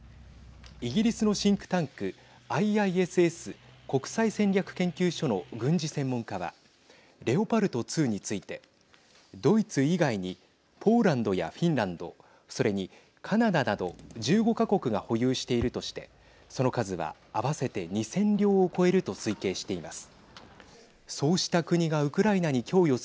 イギリスのシンクタンクＩＩＳＳ＝国際戦略研究所の軍事専門家はレオパルト２についてドイツ以外にポーランドやフィンランドそれにカナダなど１５か国が保有しているとしてその数は合わせて２０００両を超えると推計しています。